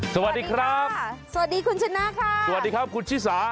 สวัสดีครับสวัสดีคุณชนะค่ะสวัสดีครับคุณชิสา